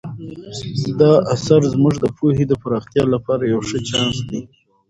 دا اثر زموږ د پوهې د پراختیا لپاره یو ښه چانس دی.